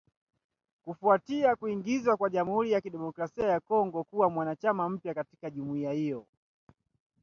Kufuatia kuingizwa kwa Jamhuri ya Kidemokrasi ya Kongo kuwa mwanachama mpya katika jumuiya hiyo.